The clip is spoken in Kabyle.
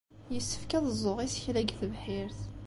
Yessefk ad ẓẓuɣ isekla deg tebḥirt.